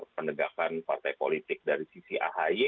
penegakan partai politik dari sisi ahy